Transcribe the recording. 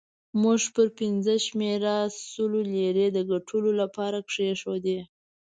موږ پر پنځمه شمېره سلو لیرې د ګټلو لپاره کېښودې.